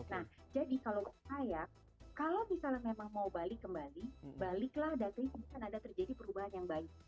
nah jadi kalau saya kalau misalnya memang mau balik kembali baliklah dan ada terjadi perubahan yang baik